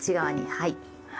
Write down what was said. はい。